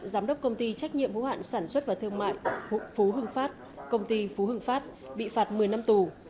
giám đốc công ty trách nhiệm hữu hạn sản xuất và thương mại phú hưng phát công ty phú hưng phát bị phạt một mươi năm tù